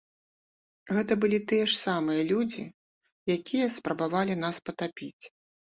Гэта былі тыя ж самыя людзі, якія спрабавалі нас патапіць.